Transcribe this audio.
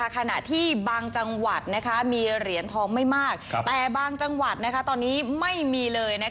ขณะที่บางจังหวัดมีเหรียญทองไม่มากแต่บางจังหวัดตอนนี้ไม่มีเลย